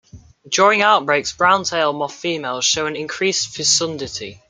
During outbreaks browntail moth females show an increased fecundity.